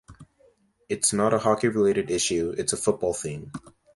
It's not a hockey-related issue, it's a football thing.